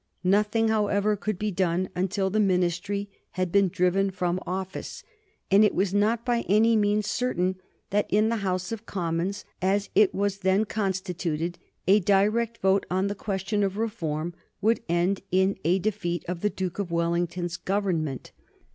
Nothing, however, could be done until the Ministry had been driven from office, and it was not by any means certain that in the House of Commons, as it was then constituted, a direct vote on the question of reform would end in a defeat of the Duke of Wellington's Government.